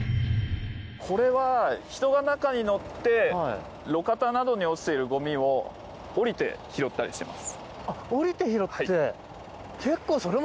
これは人が中に乗って路肩などに落ちているゴミを降りて拾ったりしてます。